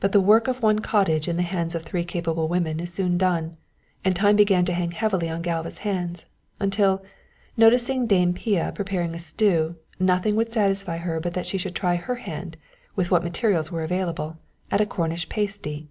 But the work of one cottage in the hands of three capable women is soon done, and time began to hang heavily on Galva's hands, until, noticing Dame Pia preparing a stew, nothing would satisfy her but that she should try her hand, with what materials were available, at a Cornish pasty.